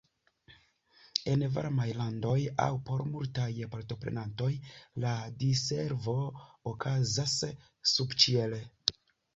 En varmaj landoj aŭ por multaj partoprenantoj la diservo okazas subĉiele.